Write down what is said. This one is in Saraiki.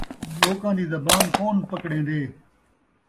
لوکاں دی زبان کون پکڑین٘دے